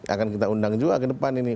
akan kita undang juga ke depan ini